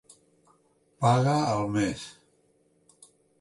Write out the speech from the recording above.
Paga al mes.